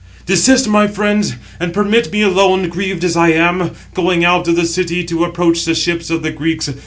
"Desist, my friends, and permit me alone, grieved as I am, going out of the city, to approach the ships of the Greeks.